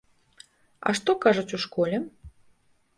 А што кажуць у школе?